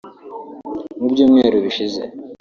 Mu byumweru bishize